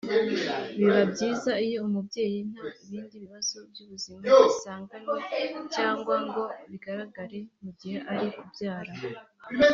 biba byiza iyo umubyeyi nta bindi bibazo by’ubuzima asanganywe cyangwa ngo bigaragare mu gihe ari kubyara